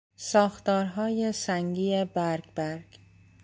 ساختارهای سنگی برگبرگ